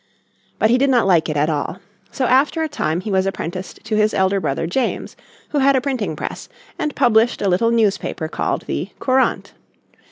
But he did not like it at all. So after a time he was apprenticed to his elder brother James, who had a printing press, and published a little newspaper called the Courant.